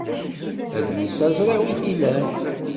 Adlis-a ẓriɣ wi t-ilan.